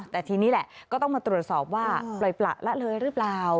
แต่ทีนี้แหละก็ต้องมาตรวจสอบว่าปล่อยประละเลยหรือเปล่า